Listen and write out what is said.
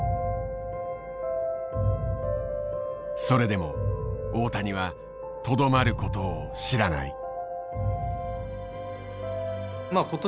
それでも大谷はとどまることを知らない。